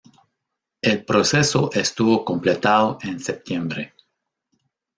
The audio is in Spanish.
El proceso estuvo completado en septiembre.